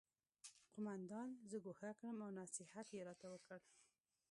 قومندان زه ګوښه کړم او نصیحت یې راته وکړ